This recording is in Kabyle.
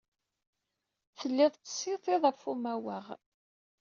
Tellid tettsitid ɣef umawaɣ.